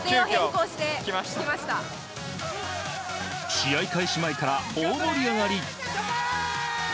試合開始前から大盛り上がり。